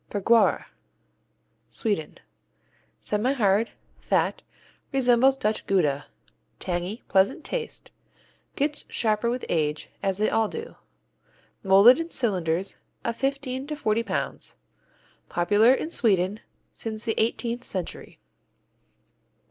Bergquara Sweden Semihard, fat, resembles Dutch Gouda. Tangy, pleasant taste. Gets sharper with age, as they all do. Molded in cylinders of fifteen to forty pounds. Popular in Sweden since the eighteenth century.